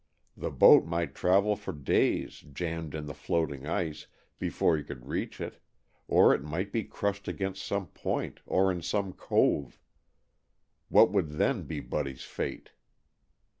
The boat might travel for days jammed in the floating ice, before he could reach it, or it might be crushed against some point or in some cove. What would then be Buddy's fate?